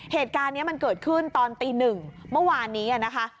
เหตุการณ์นี้มันเกิดขึ้นตอนตีหนึ่งเมื่อวานนี้นะคะ